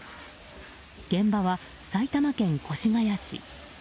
現場は埼玉県越谷市。